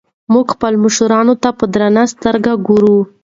موږ خپلو مشرانو ته په درنه سترګه ګورو.